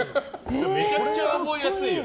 めちゃくちゃ覚えやすいよね。